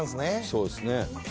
「そうですね」